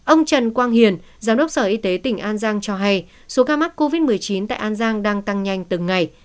ông trần quang hiền giám đốc sở y tế tỉnh an giang cho hay số ca mắc covid một mươi chín tại an giang đang tăng nhanh từng ngày